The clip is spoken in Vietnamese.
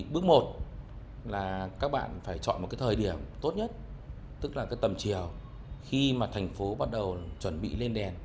bước một là các bạn phải chọn một cái thời điểm tốt nhất tức là cái tầm chiều khi mà thành phố bắt đầu chuẩn bị lên đèn